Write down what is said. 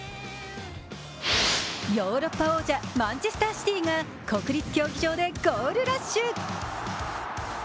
ヨーロッパ王者マンチェスターシティが国立競技場でゴールラッシュ。